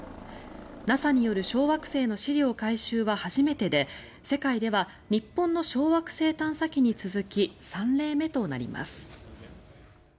ＮＡＳＡによる小惑星の試料回収は初めてで世界では日本の小惑星探査機に続き３例目となります。